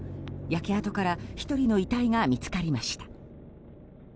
焼け跡から１人の遺体が見つかりました。